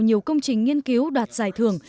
nhiều công trình nghiên cứu đoạt giải thưởng